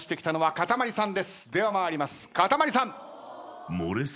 かたまりさん。